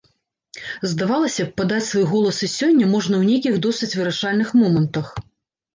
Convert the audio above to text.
Здавалася б, падаць свой голас і сёння можна ў нейкіх досыць вырашальных момантах.